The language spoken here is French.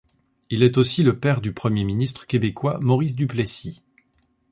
Il est aussi le père du premier ministre québécois Maurice Duplessis.